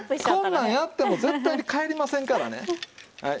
こんなんやっても絶対に返りませんからね。